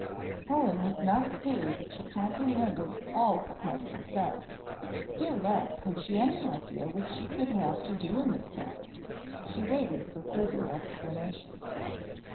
Helen was not clear that she comprehended all that had been said; still less had she any idea what she could have to do in this matter; she waited for further explanation.